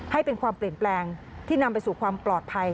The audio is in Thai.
ให้เป็นความเปลี่ยนแปลงที่นำไปสู่ความปลอดภัย